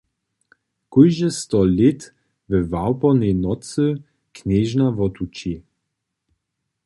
Kóžde sto lět we wałpornej nocy knježna wotući.